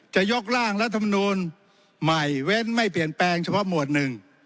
จะยกร่างรัฐมนูลใหม่เว้นไม่เปลี่ยนแปลงเฉพาะหมวดหนึ่ง